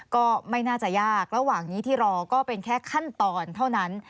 ก็ไม่น่าจะยากระหว่างนี้ที่รอก็เป็นแค่ขั้นตอนเท่านั้น